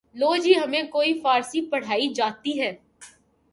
لو جی ہمیں کوئی فارسی پڑھائی جاتی ہے